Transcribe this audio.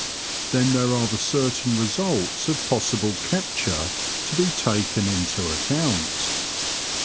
Then ' there are the certain re ' suits of possible capture to be taken into account.